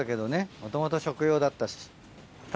もともと食用だったし。